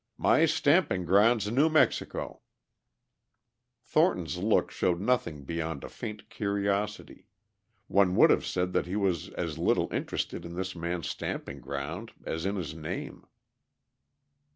"My stamping ground's New Mexico." Thornton's look showed nothing beyond a faint curiosity; one would have said that he was as little interested in this man's stamping ground as in his name.